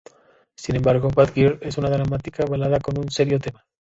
Sin embargo, "Bad Girl" es una dramática balada con un serio tema.